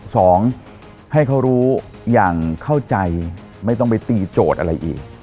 สองให้เขารู้อย่างเข้าใจไม่ต้องไปตีโจทย์อะไรอีก